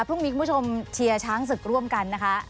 คุณผู้ชมเชียร์ช้างศึกร่วมกันนะคะ